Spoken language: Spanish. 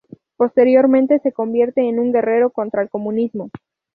Posteriormente se convierte en un guerrero contra el comunismo.